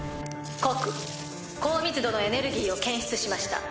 告高密度のエネルギーを検出しました。